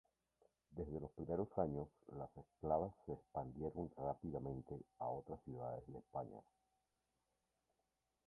Desde los primeros años, las esclavas se expandieron rápidamente a otras ciudades de España.